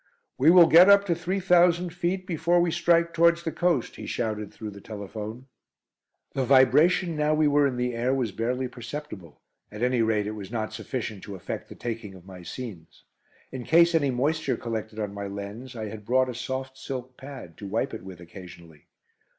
"We will get up to three thousand feet before we strike towards the coast," he shouted through the telephone. The vibration, now we were in the air, was barely perceptible, at any rate it was not sufficient to affect the taking of my scenes. In case any moisture collected on my lens, I had brought a soft silk pad, to wipe it with occasionally.